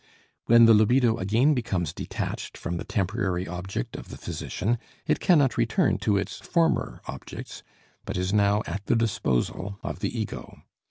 When the libido again becomes detached from the temporary object of the physician it cannot return to its former objects, but is now at the disposal of the ego.